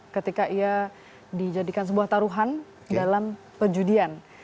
ketika ia dijadikan sebuah taruhan dalam perjudian